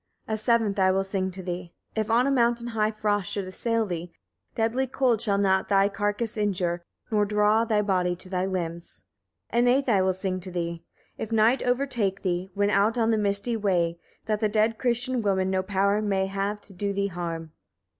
12. A seventh I will sing to thee. If on a mountain high frost should assail thee, deadly cold shall not thy carcase injure, nor draw thy body to thy limbs. 13. An eighth I will sing to thee. If night overtake thee, when out on the misty way, that the dead Christian woman no power may have to do thee harm.